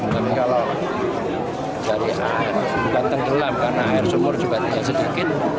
tapi kalau dari air bukan tenggelam karena air sumur juga tidak sedikit